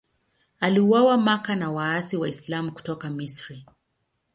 Aliuawa Makka na waasi Waislamu kutoka Misri.